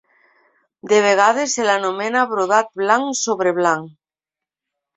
De vegades se l'anomena brodat blanc sobre blanc.